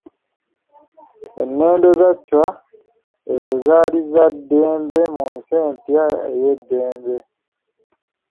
Ennendo za Chwa ezo zaali za ddembe mu nsi empya ey'eddembe.